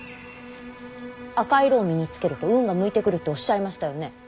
赤い色を身に着けると運が向いてくるっておっしゃいましたよね。